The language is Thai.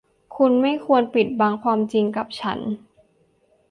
คุณไม่ควรปิดบังความจริงกับฉัน